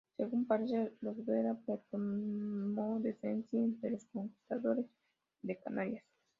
Según parece los Vera Perdomo descendían de los conquistadores de Canarias.